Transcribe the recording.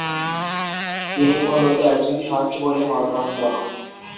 তিনি মূলত একজন ফাস্ট বোলিং অল-রাউন্ডার।